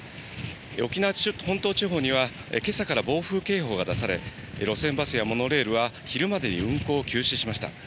沖縄本島地方には、けさから暴風警報が出され、路線バスやモノレールは昼までに運行を休止しました。